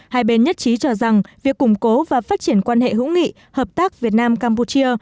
hai bên nhất trí cho rằng việc củng cố và phát triển quan hệ hữu nghị hợp tác việt nam campuchia